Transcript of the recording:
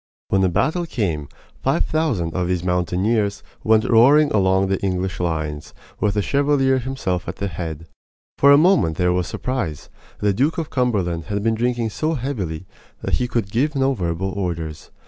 When the battle came five thousand of these mountaineers went roaring along the English lines, with the Chevalier himself at their head. For a moment there was surprise. The Duke of Cumberland had been drinking so heavily that he could give no verbal orders.